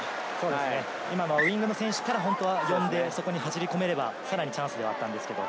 ウイングの選手から呼んで、そこに走り込めれば、さらにチャンスだったんですけれど。